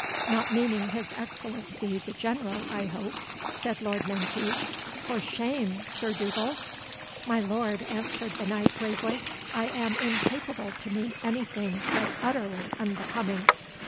"Not meaning his Excellency the General, I hope," said Lord Menteith. "For shame, Sir Dugald!" "My lord," answered the knight gravely, "I am incapable to mean anything so utterly unbecoming.